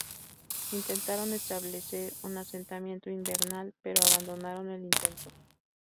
Intentaron establecer un asentamiento invernal, pero abandonaron el intento.